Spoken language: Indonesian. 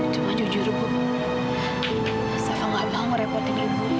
cuma jujur bu safa nggak mau ngerepotin ibu